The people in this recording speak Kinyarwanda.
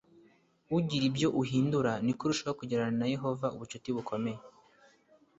ugira ibyo uhindura ni ko uzarushaho kugirana na Yehova ubucuti bukomeye